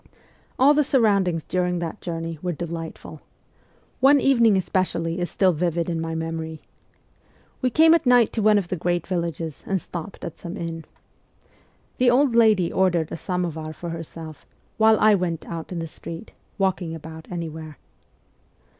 All the surroundings during that journey were delightful. One evening especially is still vivid in my memory. We came at night to one of the great villages and stopped at some inn. The old lady ordered a samovar for herself, while I went out in the street, walking about anywhere.